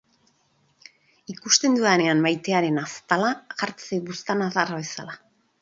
Ikusten dudanean maitearen aztala, jartzen zait buztana adarra bezala.